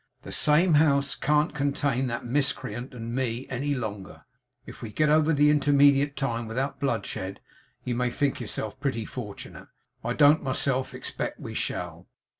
The same house can't contain that miscreant and me any longer. If we get over the intermediate time without bloodshed, you may think yourself pretty fortunate. I don't myself expect we shall.